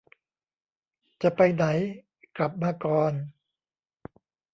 จะไปไหน กลับมาก่อน